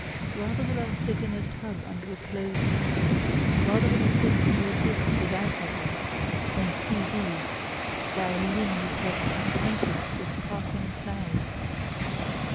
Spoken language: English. Rather will I sit in a tub under a closed heaven, rather will I sit in the abyss without heaven, than see thee, thou luminous heaven, tainted with passing clouds!